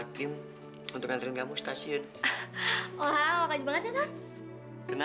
hmm ternyata benar laporan tadi